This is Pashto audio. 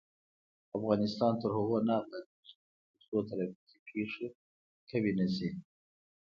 افغانستان تر هغو نه ابادیږي، ترڅو ترافیکي پیښې کمې نشي.